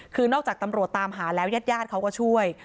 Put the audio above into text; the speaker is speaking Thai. คือนอกจากตำรวจตามหาแล้วยาดเขาก็ช่วย